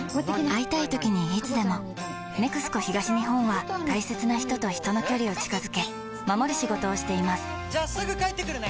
会いたいときにいつでも「ＮＥＸＣＯ東日本」は大切な人と人の距離を近づけ守る仕事をしていますじゃあすぐ帰ってくるね！